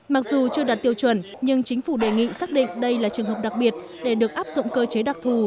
mặc dù chưa đạt tiêu chuẩn nhưng chính phủ đề nghị xác định đây là trường hợp đặc biệt để được áp dụng cơ chế đặc thù